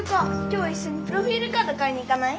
今日いっしょにプロフィールカード買いに行かない？